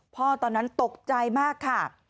ตอนนั้นตกใจมากค่ะ